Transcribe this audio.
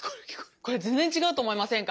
これ全然違うと思いませんか。